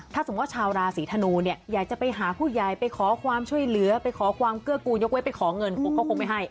ถ้าสมมุติชาวราศีธนูเนี่ยอยากจะไปหาผู้ใหญ่ไปขอความช่วยเหลือไปขอความเกื้อกูยกไว้ไปขอเงินเขาคงไม่ให้